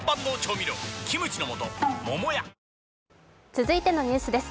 続いてのニュースです。